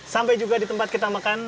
sampai juga di tempat kita makan